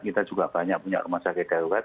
kita juga banyak punya rumah sakit darurat